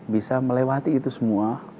bisa melewati itu semua